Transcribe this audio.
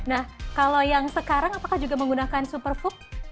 nah kalau yang sekarang apakah juga menggunakan superfood